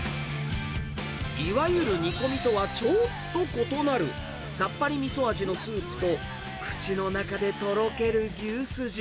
いわゆる煮込みとはちょっと異なる、さっぱりみそ味のスープと、口の中でとろける牛すじ。